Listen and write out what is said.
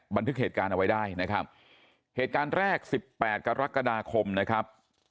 บันทึกเหตุการณ์เอาไว้ได้นะครับเหตุการณ์แรกสิบแปดกรกฎาคมนะครับ